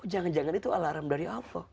oh jangan jangan itu alarm dari apa